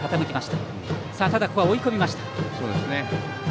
ただ、ここは追い込みました。